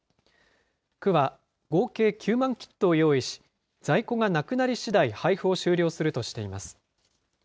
区は合計９万キットを用意し、在庫がなくなりしだい、配布を終了するとしています。